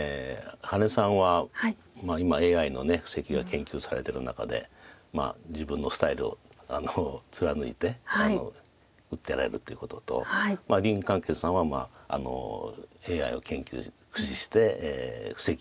羽根さんは今ＡＩの布石が研究されてる中で自分のスタイルを貫いて打ってられるということと林漢傑さんはＡＩを研究駆使して布石を研究されてると思うんで。